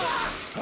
あ。